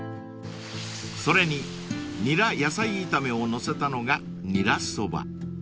［それにニラ野菜炒めを載せたのがにらそば］